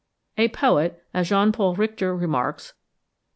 A poet, as Jean Paul Richter remarks (19.